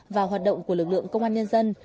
và hoạt động của lực lượng công an nhân dân